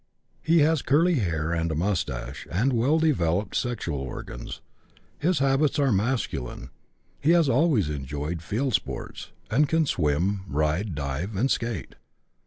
He has curly hair and moustache, and well developed sexual organs. His habits are masculine; he has always enjoyed field sports, and can swim, ride, drive, and skate.